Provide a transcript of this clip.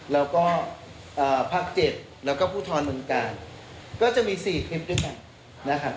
แล้วก็อ่าภาคเจ็ดแล้วก็ผู้ทรวงเมืองการก็จะมีสี่คลิปด้วยกันนะฮะ